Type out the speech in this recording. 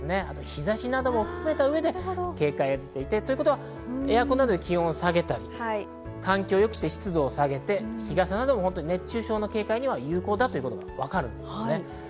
日差しなども含めた上で警戒が出ていて、エアコンなどで気温を下げたり、環境を良くして湿度を下げて、日傘なども熱中症の警戒には有効だというのがわかるんですね。